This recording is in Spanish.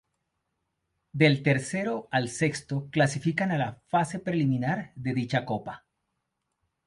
Del tercero al sexto clasifican a la fase preliminar de dicha Copa.